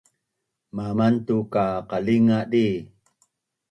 Mamantuk ka qalinga di